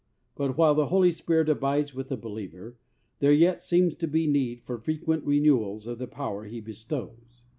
But while the Holy Spirit abides with the believer, there yet seems to be need for frequent renewals of the power He bestows.